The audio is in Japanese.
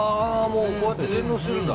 こうやって連動してるんだ。